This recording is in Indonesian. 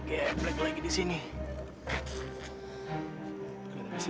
kasih dia minum kasih dia drink